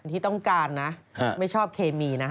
ที่ต้องการนะไม่ชอบเคมีนะ